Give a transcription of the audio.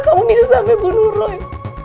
kamu bisa sampe bunuh roy